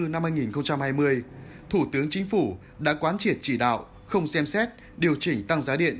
năm hai nghìn hai mươi thủ tướng chính phủ đã quán triệt chỉ đạo không xem xét điều chỉnh tăng giá điện